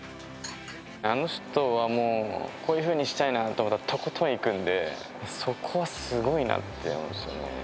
あの人はもう、こういうふうにしたいなと思ったら、とことんいくんで、そこはすごいなって思うんですよね。